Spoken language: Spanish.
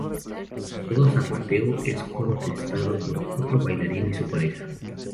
Todo zapateo es contestado por otro bailarín y su pareja.